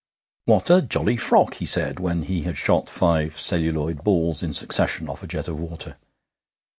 'What a jolly frock!' he said, when he had shot five celluloid balls in succession off a jet of water.